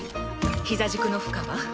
膝軸の負荷は？